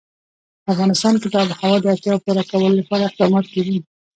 په افغانستان کې د آب وهوا د اړتیاوو پوره کولو لپاره اقدامات کېږي.